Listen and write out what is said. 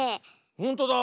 ほんとだ。